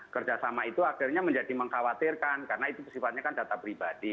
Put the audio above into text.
kerjasama itu akhirnya menjadi mengkhawatirkan karena itu sifatnya kan data pribadi